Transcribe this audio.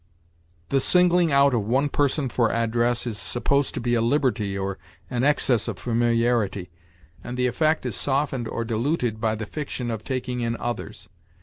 The singling out of one person for address is supposed to be a liberty or an excess of familiarity; and the effect is softened or diluted by the fiction of taking in others.